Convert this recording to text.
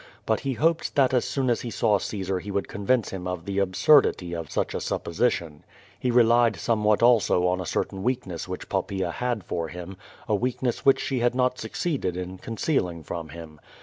But he hoped that as soon as he saw Caesar he would convince him of the absurdity of such a sup position. He relied somewhat also on a certain weakness which Poppaea had for him — ^a weakness which she had not succeeded in concealing from him.